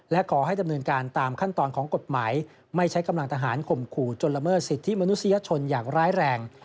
และขอให้ดำเนินการตามขั้นตอนของกฎหมายไม่ใช้กำลังทหารข่มขู่จนละเมิดสิทธิมนุษยชนอย่างร้ายแรง